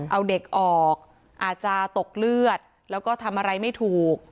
เอาเด็กออกอาจจะตกเลือดแล้วก็ทำอะไรไม่ถูก